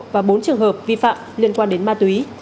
và bốn trường hợp vi phạm liên quan đến ma túy